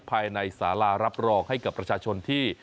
ภายในสารารับรองให้กับประชาชนที่